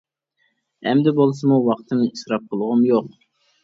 ئەمدى بولسىمۇ ۋاقتىمنى ئىسراپ قىلغۇم يوق.